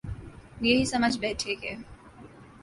یہی سمجھ بیٹھے کہ